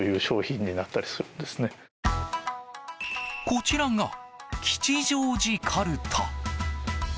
こちらが吉祥寺かるた。